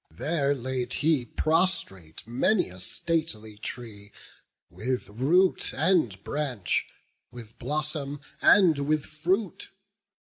There laid he prostrate many a stately tree, With root and branch, with blossom and with fruit.